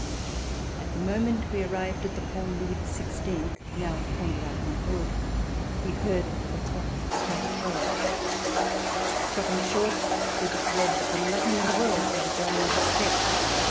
At the moment we arrived at the Pont Louis XVI (now Pont de la Concorde) he heard the clock strike twelve. Stopping short, he declared that for nothing in the world would he go another step.